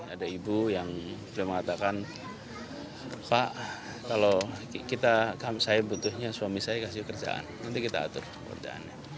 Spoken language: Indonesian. ada ibu yang sudah mengatakan pak kalau saya butuhnya suami saya kasih kerjaan nanti kita atur pekerjaannya